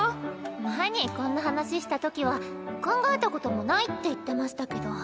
前にこんな話したときは考えたこともないって言ってましたけど。